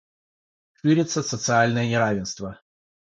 Ширится социальное неравенство.